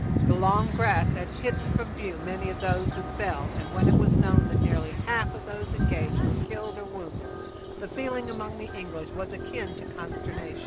The long grass had hidden from view many of those who fell, and when it was known that nearly half of those engaged were killed or wounded the feeling among the English was akin to consternation.